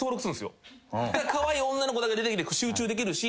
カワイイ女の子だけ出てきて集中できるし。